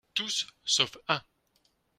Tous, sauf un